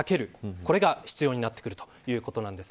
これが必要になってくるということなんです。